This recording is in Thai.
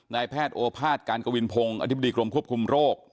นายแพทย์โอภาษย์การกวินพงศ์อธิบดีกรมควบคุมโรค